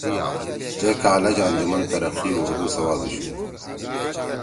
تے کالج انجمن ترقی اردو سوادُوشُو